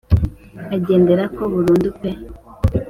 agendera ko burundu pe